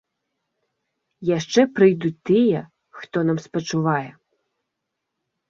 Яшчэ прыйдуць тыя, хто нам спачувае.